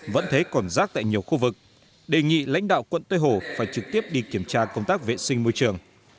vẫn thế còn rác tại nhiều khu vực đề nghị lãnh đạo quận tây hồ phải trực tiếp đi kiểm tra công tác vệ sinh môi trường